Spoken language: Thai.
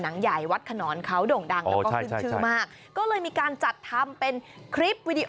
หนังใหญ่วัดขนอนเขาโด่งดังแล้วก็ขึ้นชื่อมากก็เลยมีการจัดทำเป็นคลิปวิดี